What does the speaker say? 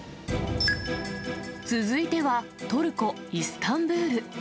続いては、トルコ・イスタンブール。